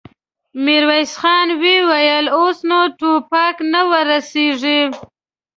ميرويس خان وويل: اوس نو ټوپک نه ور رسېږي.